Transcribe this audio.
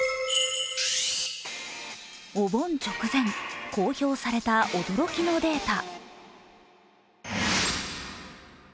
お盆直前、公表された驚きのデータ。